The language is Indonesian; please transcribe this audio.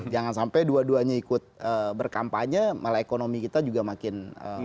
jangan sampai dua duanya ikut berkampanye malah ekonomi kita juga makin